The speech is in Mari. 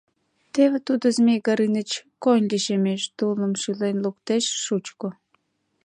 ...Теве тудо, Змей Горыныч, койын лишемеш, тулым шӱлен луктеш, шучко.